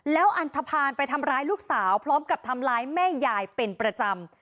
แล้วอันทภาณไปทำร้ายลูกสาวพร้อมกับทำร้ายแม่ยายเป็นประจำ